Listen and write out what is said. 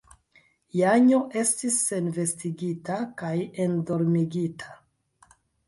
Janjo estis senvestigita kaj endormigita.